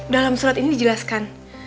dalam surat ini dijelaskan